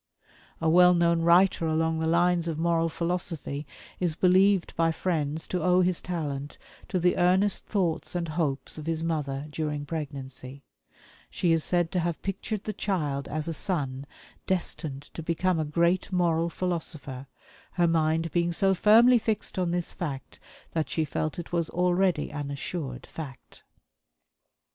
A well known writer along the lines of moral philosophy is believed by friends to owe his talent to the earnest thoughts and hopes of his mother during pregnancy she is said to have pictured the child as a son destined to become a great moral philosopher, her mind being so firmly fixed on this fact that she felt it was already an assured fact.